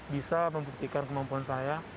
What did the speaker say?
bisa membuktikan kemampuan saya